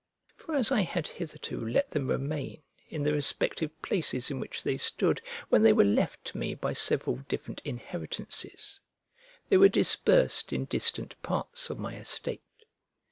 For as I had hitherto let them remain in the respective places in which they stood when they were left to me by several different inheritances, they were dispersed in distant parts of my estate.